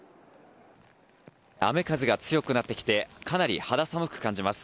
雨風が強くなってきてかなり肌寒く感じます。